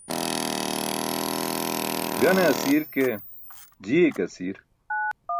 Gane asi̇r ke, ji̇iye ke asi̇r.